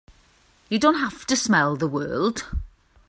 You don't have to smell the world!